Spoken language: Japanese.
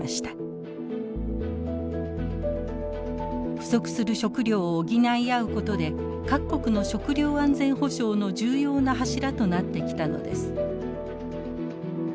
不足する食料を補い合うことで各国の食料安全保障の重要な柱となってきたのです。